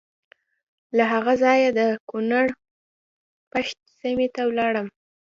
له هغه ځایه د کنړ پَشَت سیمې ته ولاړم.